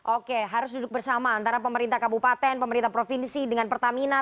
oke harus duduk bersama antara pemerintah kabupaten pemerintah provinsi dengan pertamina